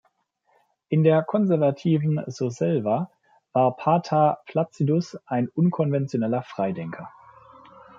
In der konservativen Surselva war Pater Placidus ein unkonventioneller Freidenker.